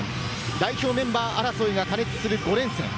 代表メンバー争いが過熱する５連戦。